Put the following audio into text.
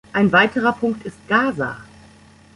Ein weiterer Punkt ist Gaza.